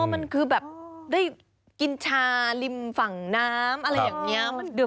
มันคือแบบได้กินชาริมฝั่งน้ำอะไรอย่างนี้